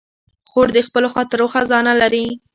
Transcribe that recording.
خور د خپلو خاطرو خزانه لري.